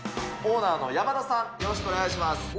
オーナーの山田さん、よろしくお願いします。